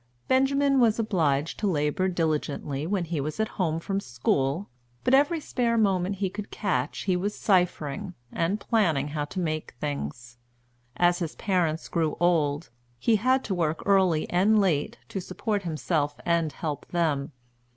Benjamin was obliged to labor diligently when he was at home from school, but every spare moment he could catch he was ciphering, and planning how to make things. As his parents grew old, he had to work early and late, to support himself and help them.